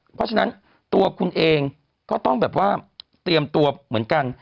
เพราะฉะนั้นตัวคุณเองก็ต้องแบบว่าเตรียมตัวเหมือนกัน